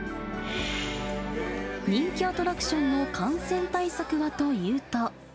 人気アトラクションの感染対策はというと。